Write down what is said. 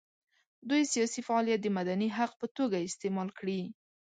دوی سیاسي فعالیت د مدني حق په توګه استعمال کړي.